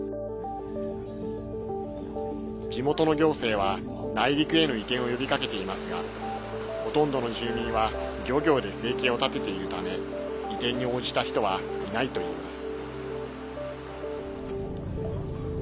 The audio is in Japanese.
地元の行政は内陸への移転を呼びかけていますがほとんどの住民は漁業で生計を立てているため移転に応じた人はいないといいます。